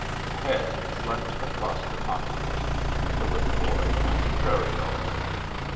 The Head slept across the continent. The Little Boy counted prairie dogs.